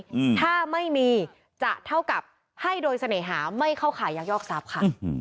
อืมถ้าไม่มีจะเท่ากับให้โดยเสน่หาไม่เข้าขายยักยอกทรัพย์ค่ะอืม